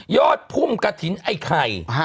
พุ่มกระถิ่นไอ้ไข่